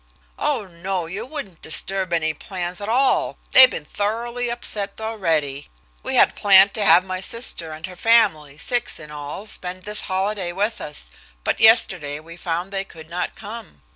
Oh, no, you wouldn't disturb any plans at all they've been thoroughly upset already. We had planned to have my sister and her family, six in all, spend this holiday with us, but yesterday we found they could not come.